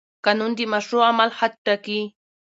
قانون د مشروع عمل حد ټاکي.